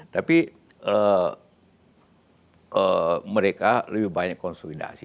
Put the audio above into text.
tapi mereka lebih banyak konsolidasi